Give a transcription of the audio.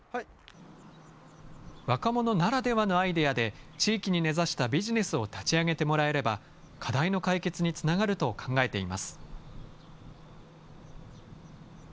若者ならではのアイデアで地域に根ざしたビジネスを立ち上げてもらえれば、課題の解決につながると考えています。